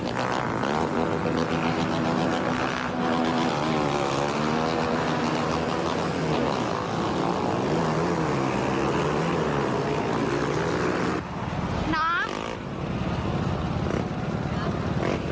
เอากันเข้าไป